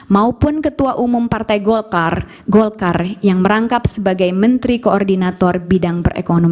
maupun ketua umum partai golkar yang merangkap sebagai menteri koordinator bip